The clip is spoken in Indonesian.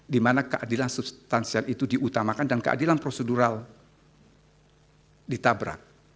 dimana keadilan substansial itu diutamakan dan keadilan prosedural ditabrak